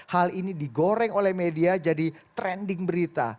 hal ini digoreng oleh media jadi trending berita